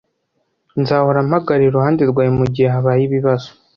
Nzahora mpagarara iruhande rwawe mugihe habaye ibibazo